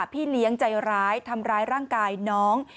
พี่เลี้ยงใจร้ายทำร้ายร่างกายน้อง